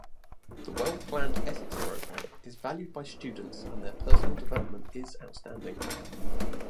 The well-planned ethics programme is valued by students and their personal development is outstanding.